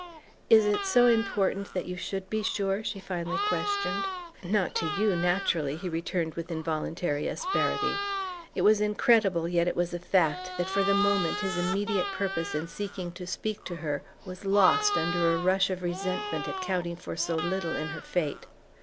"Is it so important that you should be sure?" she finally questioned. "Not to you, naturally," he returned with involuntary asperity. It was incredible, yet it was a fact, that for the moment his immediate purpose in seeking to speak to her was lost under a rush of resentment at counting for so little in her fate.